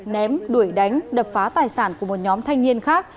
ném đuổi đánh đập phá tài sản của một nhóm thanh niên khác